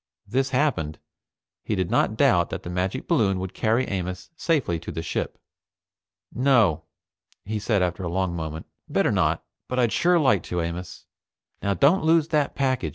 If this happened, he did not doubt but that the magic balloon would carry Amos safely to the ship. "No," he said after a long moment. "Better not. But I'd sure like to, Amos. Now don't lose that package.